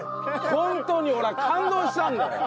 ホントに俺は感動したんだよ！